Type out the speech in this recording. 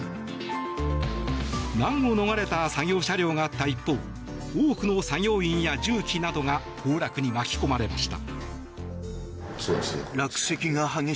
難を逃れた作業車両があった一方多くの作業員や重機などが崩落に巻き込まれました。